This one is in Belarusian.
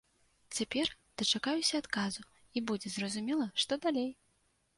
Цяпер дачакаюся адказу, і будзе зразумела, што далей.